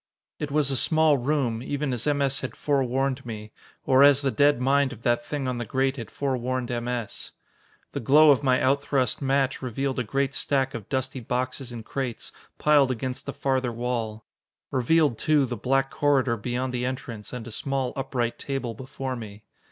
It was a small room, even as M. S. had forewarned me or as the dead mind of that thing on the grate had forewarned M. S. The glow of my out thrust match revealed a great stack of dusty boxes and crates, piled against the farther wall. Revealed, too, the black corridor beyond the entrance, and a small, upright table before me.